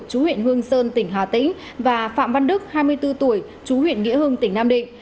chú huyện hương sơn tỉnh hà tĩnh và phạm văn đức hai mươi bốn tuổi chú huyện nghĩa hưng tỉnh nam định